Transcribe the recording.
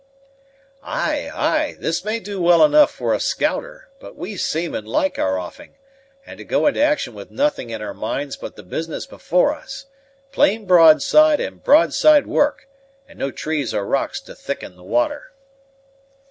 "Ay, ay, this may do well enough for a scouter; but we seamen like our offing, and to go into action with nothing in our minds but the business before us plain broadside and broadside work, and no trees or rocks to thicken the water."